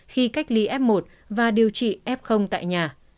khi cách ly f một và điều trị f tại nhà